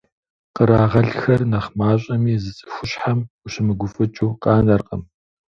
Кърагъэлхэр нэхъ мащӀэми, зы цӀыхущхьэм ущымыгуфӀыкӀыу къанэркъым.